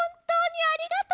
ありがとう！